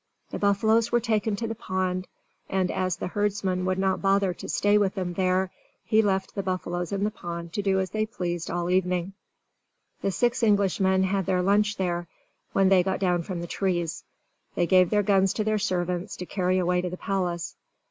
The buffaloes were taken to the pond; and as the herdsman would not bother to stay with them there, he left the buffaloes in the pond to do as they pleased till evening. The six Englishmen had their lunch there, when they got down from the trees. They gave their guns to their servants, to carry away to the palace.